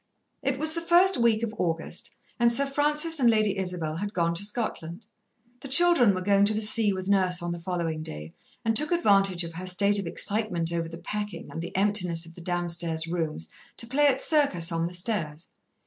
It was the first week of August, and Sir Francis and Lady Isabel had gone to Scotland. The children were going to the sea with Nurse on the following day, and took advantage of her state of excitement over the packing, and the emptiness of the downstair rooms, to play at circus on the stairs.